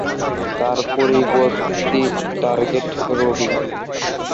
তার পরবর্তী টার্গেট রবি।